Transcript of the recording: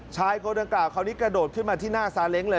ชายคนเก่าเขานี้กระโดดขึ้นมาที่หน้าซาเล็งก์เลย